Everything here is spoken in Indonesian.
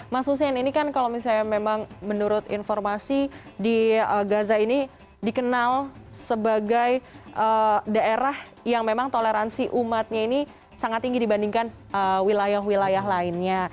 mas hussein ini kan kalau misalnya memang menurut informasi di gaza ini dikenal sebagai daerah yang memang toleransi umatnya ini sangat tinggi dibandingkan wilayah wilayah lainnya